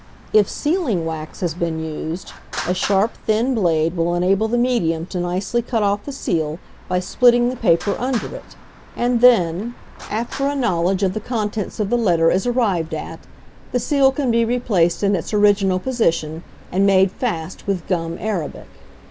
If sealing wax has been used, a sharp, thin blade will enable the medium to nicely cut off the seal by splitting the paper under it; and then, after a knowledge of the contents of the letter is arrived at, the seal can be replaced in its original position, and made fast with gum arabic.